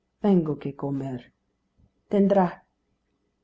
"Tenga que comer." "Tendra."